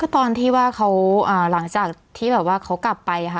ตอนที่ว่าเขาหลังจากที่แบบว่าเขากลับไปค่ะ